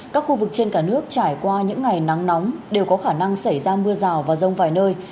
các khu vực trên cả nước trải qua những ngày nắng nóng đều có khả năng xảy ra mưa rào và rông vài nơi